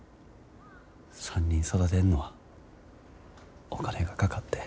３人育てんのはお金がかかって。